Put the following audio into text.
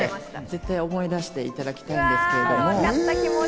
絶対思い出していただきたいんですけれども。